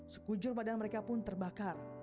sekujur badan mereka pun terbakar